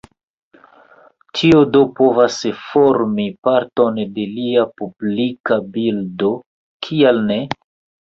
Tio do povas formi parton de lia publika bildo, kial ne?